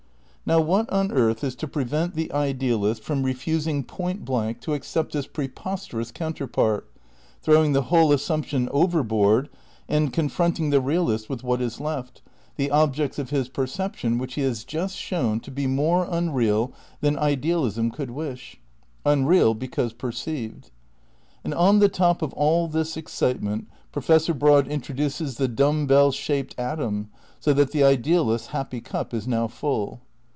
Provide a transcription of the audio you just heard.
Now what on earth is to prevent the idealist from refusing point blank to accept this preposterous coun terpart, throwing the whole assimaption overboard and confronting the realist with what is left — the objects Ill THE CRITICAL PREPAEATIONS 79 of his perception which he has just shown to be more unreal than idealism could wish? Unreal, because perceived. And on the top of all this excitement Professor Broad introduces the dumb bell shaped atom, so that the ideal ist 's happy cup is now full.